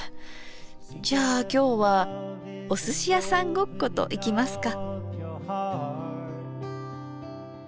じゃあ今日はおすしやさんごっこといきますか。